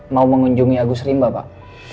mau mengunjungi agus limba pak